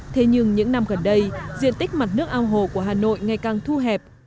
thế nhưng những năm gần đây diện tích mặt nước ao hồ của hà nội ngày càng thu hẹp